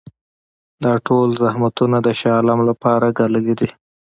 دا ټول زحمتونه د شاه عالم لپاره ګاللي دي.